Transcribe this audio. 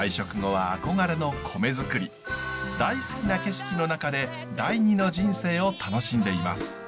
大好きな景色の中で第二の人生を楽しんでいます。